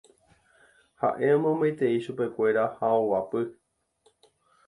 Haʼe omomaitei chupekuéra ha oguapy.